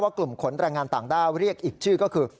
กลุ่มขนแรงงานต่างด้าวเรียกอีกชื่อก็คือ